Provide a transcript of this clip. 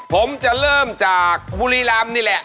ผมจะเริ่มจากบุรีรำนี่แหละ